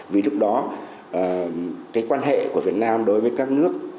vì lúc đó cái quan hệ của việt nam đối với các nước